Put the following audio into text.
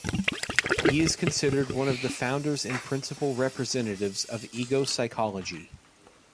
He is considered one of the founders and principal representatives of ego psychology.